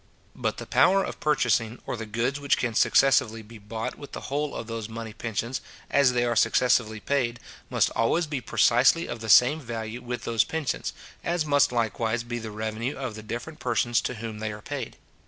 But the power of purchasing, or the goods which can successively be bought with the whole of those money pensions, as they are successively paid, must always be precisely of the same value with those pensions; as must likewise be the revenue of the different persons to whom they are paid.